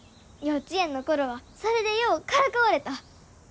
幼稚園の頃はそれでようからかわれた。